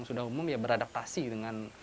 sudah umum beradaptasi dengan